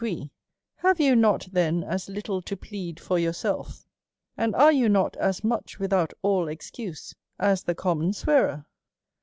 21 gree, have you not then as little to plead for yourself, and are you not as much without all excuse^ as the common swearer